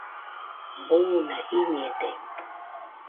buna biñede